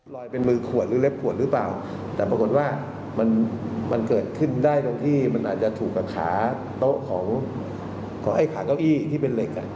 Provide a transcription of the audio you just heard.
เป็นมือขวดหรือเล็บขวดหรือเปล่าแต่ปรากฏว่ามันมันเกิดขึ้นได้ตรงที่มันอาจจะถูกกับขาโต๊ะของไอ้ขาเก้าอี้ที่เป็นเหล็กอ่ะ